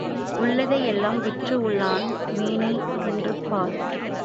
உள்ளதை எல்லாம் விற்று உள்ளான் மீனைத் தின்று பார்.